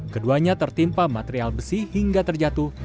keduanya tertimpa material besi hingga terjatuh